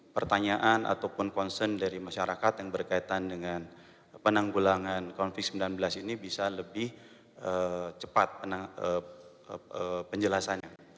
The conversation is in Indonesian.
pertanyaan ataupun concern dari masyarakat yang berkaitan dengan penanggulangan covid sembilan belas ini bisa lebih cepat penjelasannya